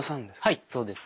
はいそうです。